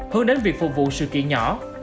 hơn đến việc phục vụ sự kiện nhỏ